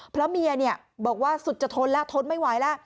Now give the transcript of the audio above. เพราะเมียเนี่ยบอกว่าสุดจะทนละทนไม่ไหวละ